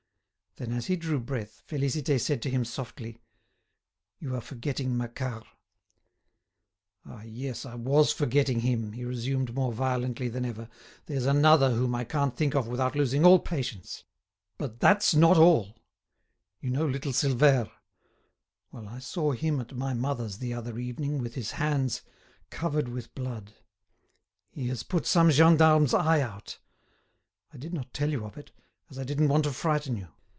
Then, as he drew breath, Félicité said to him softly: "You are forgetting Macquart." "Ah! yes; I was forgetting him," he resumed more violently than ever; "there's another whom I can't think of without losing all patience! But that's not all; you know little Silvère. Well, I saw him at my mother's the other evening with his hands covered with blood. He has put some gendarme's eye out. I did not tell you of it, as I didn't want to frighten you.